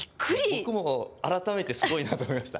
僕も改めてすごいなと思いました。